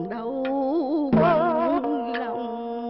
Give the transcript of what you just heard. đâu quầng lòng